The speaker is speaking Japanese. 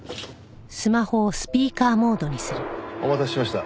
「」お待たせしました。